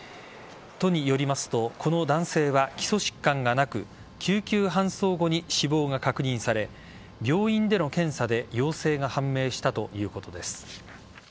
都によりますとこの男性は基礎疾患がなく救急搬送後に死亡が確認され病院での検査で陽性が判明したということです。